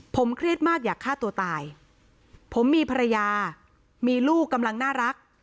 ผมเครียดมากอยากฆ่าตัวตายผมมีภรรยามีลูกกำลังน่ารัก